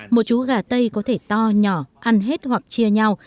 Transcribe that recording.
một chú gà tây có thể to nhỏ ăn hết hoặc chia nhau